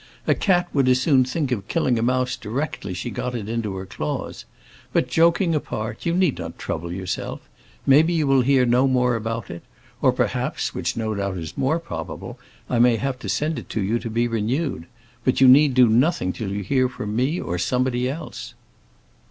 A cat would as soon think of killing a mouse directly she got it into her claws. But, joking apart, you need not trouble yourself. Maybe you will hear no more about it; or, perhaps, which no doubt is more probable, I may have to send it to you to be renewed. But you need do nothing till you hear from me or somebody else."